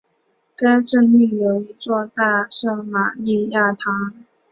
该镇另有一座大圣马利亚堂。